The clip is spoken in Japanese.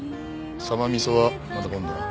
サバ味噌はまた今度な。